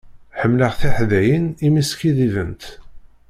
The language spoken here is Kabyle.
Ḥemmleɣ tiḥdayin imi skiddibent.